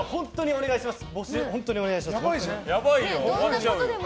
お願いします！